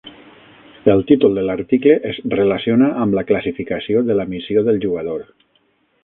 El títol de l'article es relaciona amb la classificació de la missió del jugador.